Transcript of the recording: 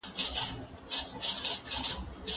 زه به سبا ځواب ليکم؟!